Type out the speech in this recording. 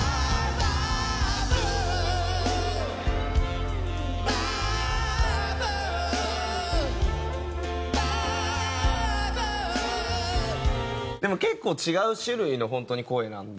「ＢＹＥＢＯＯ．．．」でも結構違う種類の本当に声なんで。